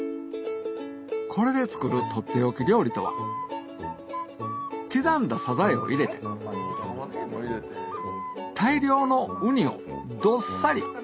これで作るとっておき料理とは刻んだサザエを入れて大量のウニをどっさり！